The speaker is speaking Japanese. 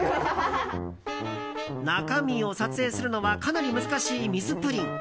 中身を撮影するのはかなり難しい水ぷりん。